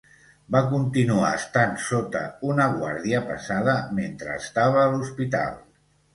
Va continuar estant sota una guàrdia pesada mentre estava a l'hospital.